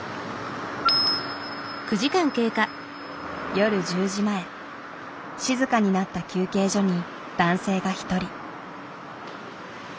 夜１０時前静かになった休憩所に男性が一人。